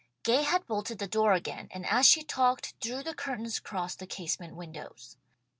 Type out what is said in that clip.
Gay had bolted the door again, and as she talked, drew the curtains across the casement windows.